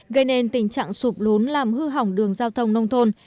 gây nên tình trạng sụp lốn làm hư hỏng đường giao thông nông thôn